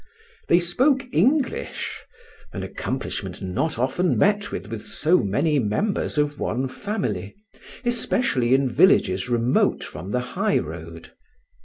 They spoke English, an accomplishment not often met with in so many members of one family, especially in villages remote from the high road.